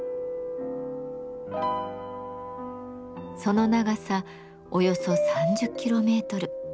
その長さおよそ３０キロメートル。